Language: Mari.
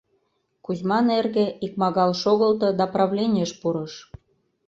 Кузьман эрге икмагал шогылто да правленийыш пурыш: